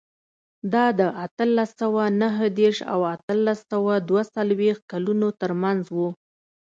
دا د اتلس سوه نهه دېرش او اتلس سوه دوه څلوېښت کلونو ترمنځ و.